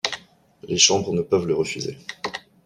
Les chambres ne peuvent le refuser.